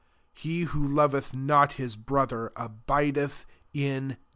He who loveth not his brother abideth in death.